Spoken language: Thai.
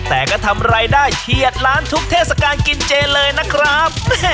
แต่ก็ทำรายได้เฉียดล้านทุกเทศกาลกินเจเลยนะครับ